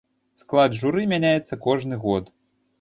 Склад журы мяняецца кожны год.